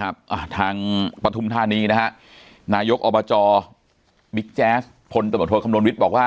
ครับทางปฐุมธานีนะฮะนายกอบจบิ๊กแจ๊สพลตำรวจโทษคำนวณวิทย์บอกว่า